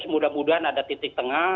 mudah mudahan ada titik tengah